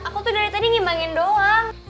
aku tuh dari tadi ngimbangin doang